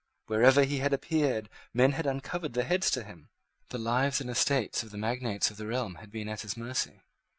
Wherever he had appeared, men had uncovered their heads to him. The lives and estates of the magnates of the realm had been at his mercy.